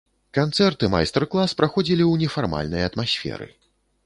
Канцэрт і майстар-клас праходзілі ў нефармальнай атмасферы.